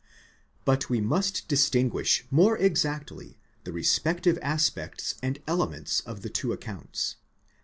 But we must distinguish more exactly the respective aspects and elements of the two accounts.